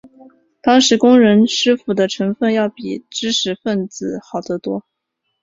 当时工人师傅的成分要比知识分子好得多。